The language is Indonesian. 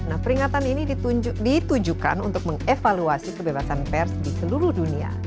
nah peringatan ini ditujukan untuk mengevaluasi kebebasan pers di seluruh dunia